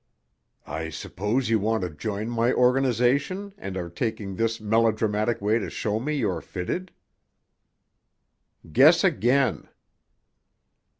"I suppose you want to join my organization and are taking this melodramatic way to show me you are fitted?" "Guess again!"